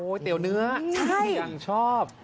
เตี๋ยวเนื้อที่ยังชอบ